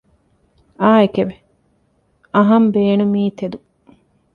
އާނއެކެވެ! އަހަން ބޭނުމީ ތެދު